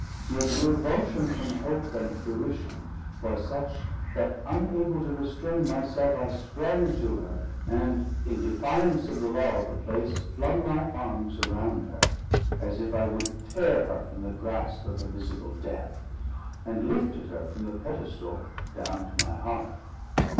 Yet the revulsion from hope and fruition was such, that, unable to restrain myself, I sprang to her, and, in defiance of the law of the place, flung my arms around her, as if I would tear her from the grasp of a visible Death, and lifted her from the pedestal down to my heart.